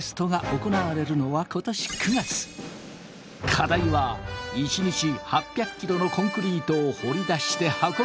課題は１日８００キロのコンクリートを掘り出して運ぶこと。